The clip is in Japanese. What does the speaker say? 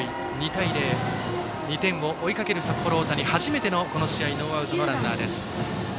２対０と２点を追いかける札幌大谷は、初めてのこの試合ノーアウトのランナー。